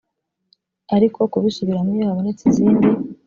ariko kubisubiramo iyo habonetse izindi